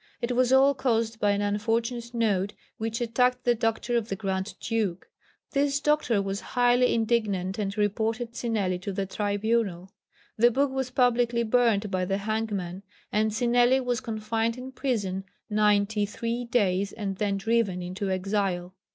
It was all caused by an unfortunate note which attacked the doctor of the Grand Duke. This doctor was highly indignant, and reported Cinelli to the Tribunal. The book was publicly burnt by the hangman, and Cinelli was confined in prison ninety *three days and then driven into exile.